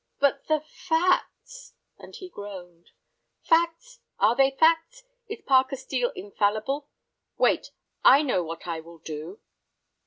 "But the facts," and he groaned. "Facts! Are they facts? Is Parker Steel infallible? Wait, I know what I will do."